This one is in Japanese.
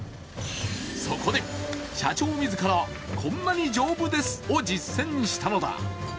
そこで、社長自らこんなに丈夫ですを実践したのだ。